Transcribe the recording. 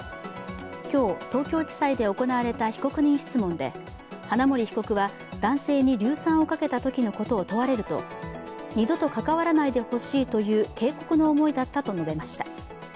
今日、東京地裁で行われた被告人質問で花森被告は男性に硫酸をかけたときのことを問われると二度と関わらないでほしいという警告の思いだったと述べました。